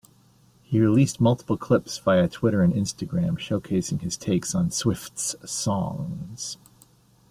He released multiple clips via Twitter and Instagram showcasing his takes on Swift's songs.